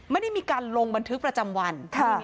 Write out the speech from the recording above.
ไม่ได้มีการลงบันทึกประจำวัน